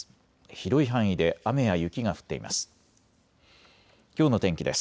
広い範囲で雨や雪が降っています。